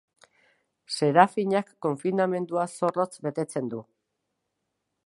Serafinak konfinamendua zorrotz betetzen du.